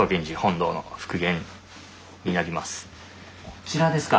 こちらですか？